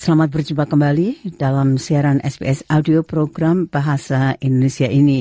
anda bersama sbs bahasa indonesia